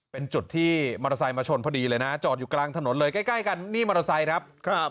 เป็นจุดที่มอเตอร์ไซค์มาชนพอดีเลยนะจอดอยู่กลางถนนเลยใกล้ใกล้กันนี่มอเตอร์ไซค์ครับ